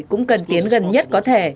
cũng cần tiến gần nhất có thể